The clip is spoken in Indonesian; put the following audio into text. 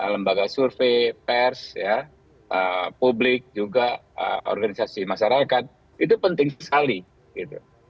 lembaga survei pers publik juga organisasi masyarakat itu penting sekali gitu